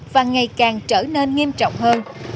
và ngày càng trở nên nghiêm trọng hơn